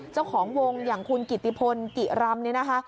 เจ้าของวงอย่างคุณกิติพลกิรำเนี่ยนะคะ